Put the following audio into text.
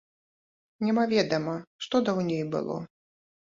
Немаведама, што даўней было.